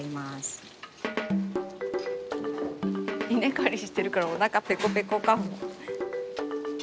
稲刈りしてるからおなかぺこぺこかも。